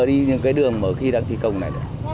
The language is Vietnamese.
đi những cái đường mở khi đang thi công này nữa